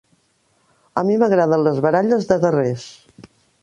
A mi m'agraden les baralles de guerrers.